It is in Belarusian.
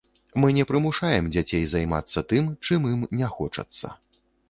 Мы не прымушаем дзяцей займацца тым, чым ім не хочацца.